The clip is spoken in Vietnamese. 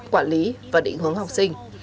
quản lý và định hướng học sinh